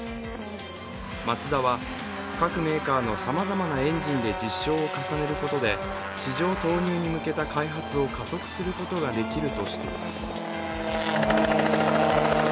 マツダは各メーカーのさまざまなエンジンで実証を重ねることで市場投入に向けた開発を加速することができるとしています。